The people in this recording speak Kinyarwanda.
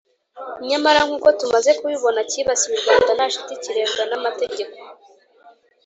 nyamara nkuko tumaze kubibona, cyibasiye u rwanda nta shiti kirebwa n'amategeko